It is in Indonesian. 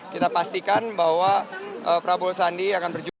kita pastikan bahwa prabowo sandiaga uno akan berjuang